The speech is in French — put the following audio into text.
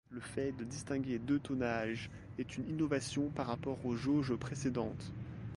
Le fait de distinguer deux tonnages est une innovation par rapport aux jauges précédentes.